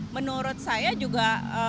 menurut saya juga